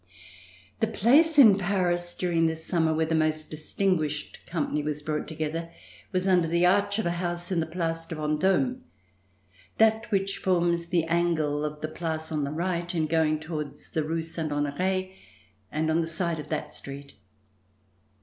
The place in Paris, during this summer, where the most distinguished company was brought together, was under the arch of a house in the Place de Ven dome : that which forms the angle of the Place on the right in going towards the Rue Saint Honore and on the side of that street.